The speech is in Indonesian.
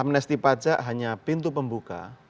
amnesti pajak hanya pintu pembuka